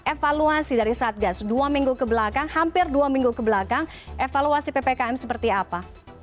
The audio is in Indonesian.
evaluasi dari satgas dua minggu ke belakang hampir dua minggu ke belakang evaluasi ppkm seperti apa